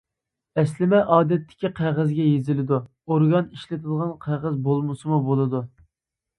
ئەسلىمە ئادەتتىكى قەغەزگە يېزىلىدۇ، ئورگان ئىشلىتىدىغان قەغەز بولمىسىمۇ بولىدۇ.